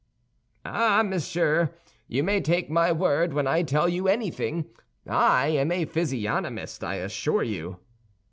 "Ah, monsieur, you may take my word when I tell you anything. I am a physiognomist, I assure you."